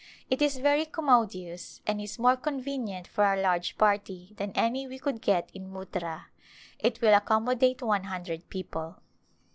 It is very commodious, and is more convenient for our large party than any we could get in Muttra. It will accommodate one hundred people.